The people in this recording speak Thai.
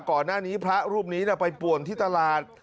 ก่อนหน้านี้พระรูปนี้ไปป่วนที่ตลาด